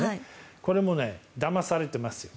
これもだまされてますよ。